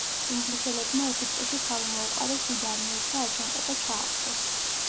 ინგლისელებმა ეგვიპტეში თავი მოუყარეს დიდ არმიას და აჯანყება ჩაახშეს.